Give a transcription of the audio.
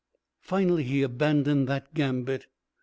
Finally he abandoned that gambit.